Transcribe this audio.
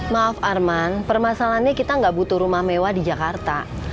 maaf arman permasalahannya kita nggak butuh rumah mewah di jakarta